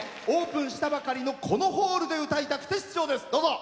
オープンしたばかりのこのホールで歌いたくて出場です。